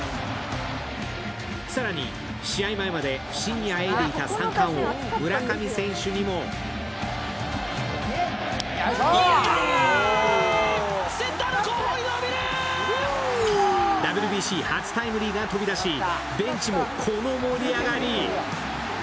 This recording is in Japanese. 更に、試合前まで不振にあえいでいた三冠王・村上選手にもＷＢＣ初タイムリーが飛び出し、ベンチもこの盛り上がり！